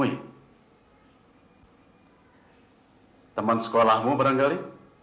bisa tersinggung dua kali